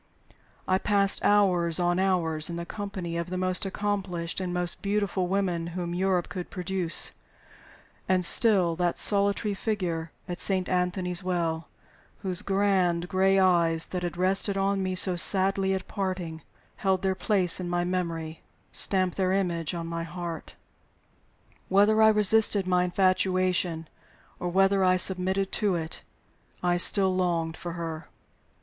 I passed hours on hours in the company of the most accomplished and most beautiful women whom Europe could produce and still that solitary figure at Saint Anthony's Well, those grand gray eyes that had rested on me so sadly at parting, held their place in my memory, stamped their image on my heart. Whether I resisted my infatuation, or whether I submitted to it, I still longed for her.